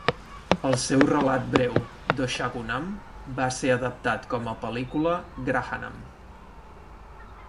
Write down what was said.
El seu relat breu Doshagunam va ser adaptat com a pel·lícula Grahanam.